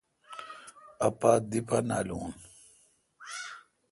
اپتھ دی پا نالون۔